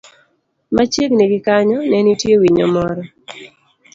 Machiegni gi kanyo, ne nitie winyo moro